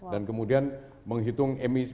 dan kemudian menghitung emisi